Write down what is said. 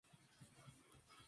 Semillas de color marrón oscuro.